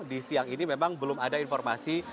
di siang ini memang belum ada informasi